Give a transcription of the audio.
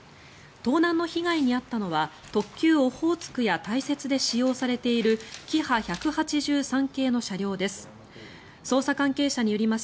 盗難の被害に遭ったのは特急オホーツクや大雪で使用されているキハ１８３系の車両です。